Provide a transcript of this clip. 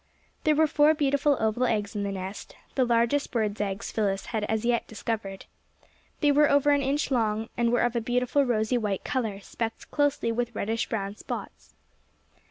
There were four beautiful oval eggs in the nest the largest birds' eggs Phyllis had as yet discovered. They were over an inch long, and were of a beautiful rosy white colour, speckled closely with reddish brown spots.